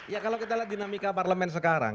ya kalau kita lihat dinamika parlemen sekarang